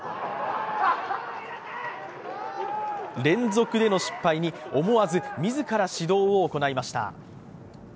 連続での失敗に、思わず自ら指導を行いました。